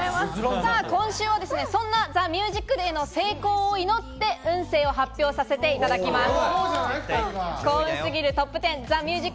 今週は『ＴＨＥＭＵＳＩＣＤＡＹ』の成功を祈って運勢を発表させていただきます。